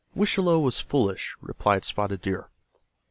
"Wisehalowe was foolish," replied Spotted Deer.